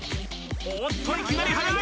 おっといきなり速い！